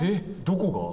どこが？